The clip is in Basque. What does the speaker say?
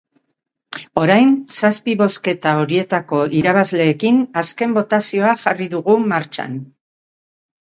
Orain, zazpi bozketa horietako irabazleekin azken botazioa jarri dugu martxan.